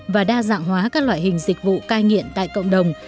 và đa dạng hóa các loại hình dịch vụ cai nghiện tại cộng đồng